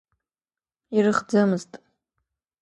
Ирыхӡымыз!